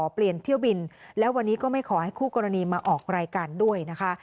เปลี่ยนเที่ยวบินและวันนี้ก็ไม่ขอให้คู่กรณีมาออกรายการด้วยนะคะ